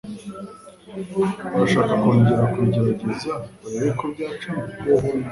Urashaka kongera kubigerageza urebe ko byacyamo?